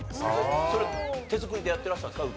それ手作りでやってらしたんですか？